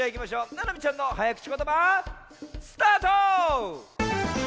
ななみちゃんのはやくちことばスタート！